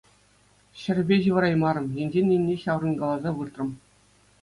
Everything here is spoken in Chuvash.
Ҫӗрӗпе ҫывӑраймарӑм, енчен енне ҫаврӑнкаласа выртрӑм.